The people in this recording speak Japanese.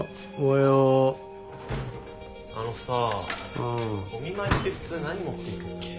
あのさお見舞いって普通何持っていくっけ？